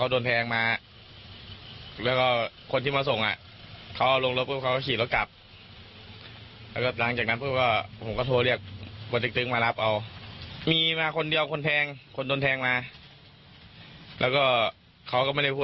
ข้อนั้นที่เราเห็นว่าไส้ทะลักออกมา